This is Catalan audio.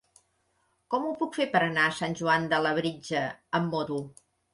Com ho puc fer per anar a Sant Joan de Labritja amb moto?